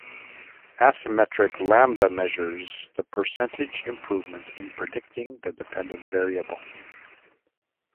Asymmetric lambda measures the percentage improvement in predicting the dependent variable.